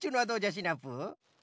シナプー。